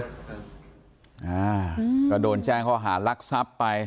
อ่าก็โดนแจ้งเขาหารักษัพธ์ไป